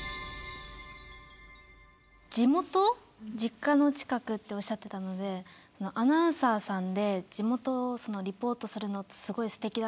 地元実家の近くっておっしゃってたのでアナウンサーさんで地元をリポートするのってすごいすてきだなと思って。